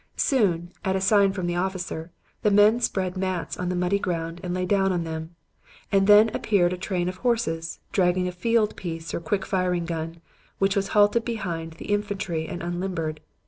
Soon, at a sign from the officer, the men spread mats on the muddy ground and lay down on them, and then appeared a train of horses, dragging a field piece or quick firing gun, which was halted behind the infantry and unlimbered.